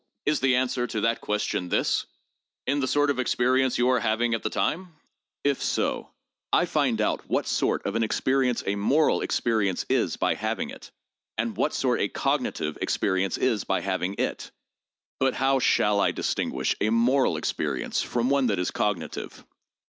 Is the answer to that question this: In the sort of experience you are having at the time ? If so, I find out what sort of an experience a moral experience is by having it, and what sort a cognitive experience is by having it. But how shall I distinguish a moral experience from one that is cognitive?